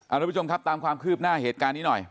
ทุกผู้ชมครับตามความคืบหน้าเหตุการณ์นี้หน่อย